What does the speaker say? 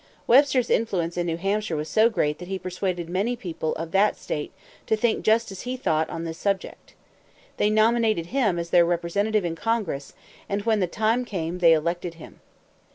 Webster's influence in New Hampshire was so great that he persuaded many of the people of that state to think just as he thought on this subject. They nominated him as their representative in Congress; and when the time came, they elected him.